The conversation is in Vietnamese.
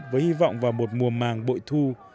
với hy vọng vào một mùa màng bội thu